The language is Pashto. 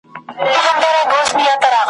چي د زرکي په څېر تور ته خپل دوستان وړي `